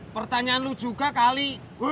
pertanyaan lu juga kali